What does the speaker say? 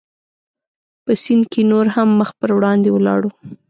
په سیند کې نور هم مخ پر وړاندې ولاړو.